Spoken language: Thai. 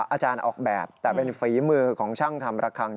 อาจารย์ออกแบบแต่เป็นฝีมือของช่างทำระคัง